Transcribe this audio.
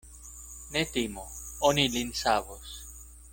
Ne timu; oni lin savos.